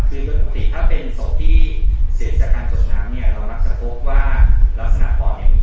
คือตัวปกติถ้าเป็นศพที่เสียจากการส่งน้ำเนี่ย